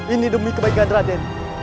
ini demi kebaikan raden